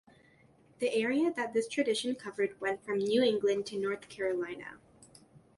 The area that this tradition covered went from New England to North Carolina.